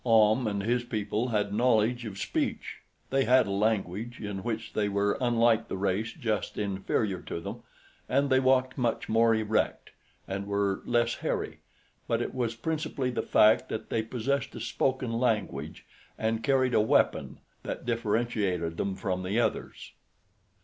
Ahm and his people had knowledge of a speech. They had a language, in which they were unlike the race just inferior to them, and they walked much more erect and were less hairy: but it was principally the fact that they possessed a spoken language and carried a weapon that differentiated them from the others.